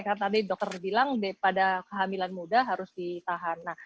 karena tadi dokter bilang pada kehamilan muda harus ditahan